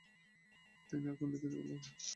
তিনি আর কোন দিকে দেখলেন না।